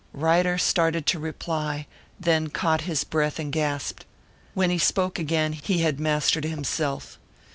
Ryder started to reply, then caught his breath and gasped. When he spoke again, he had mastered himself.